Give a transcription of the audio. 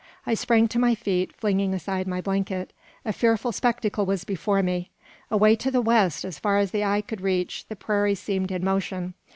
I sprang to my feet, flinging aside my blanket. A fearful spectacle was before me. Away to the west, as far as the eye could reach, the prairie seemed in motion.